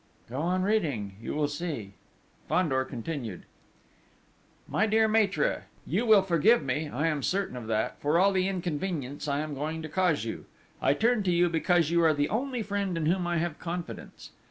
"Go on reading, you will see...." Fandor continued: "My dear Maître, _You will forgive me, I am certain of that, for all the inconvenience I am going to cause you; I turn to you because you are the only friend in whom I have confidence.